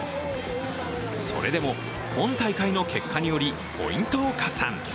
それでも、今大会の結果によりポイントを加算。